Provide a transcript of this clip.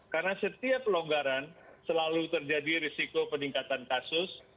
karena setiap pelonggaran selalu terjadi risiko peningkatan kasus